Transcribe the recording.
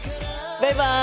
バイバイ！